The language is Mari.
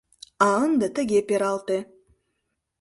— А ынде тыге пералте...